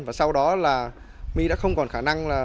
và sau đó là my đã không còn khả năng là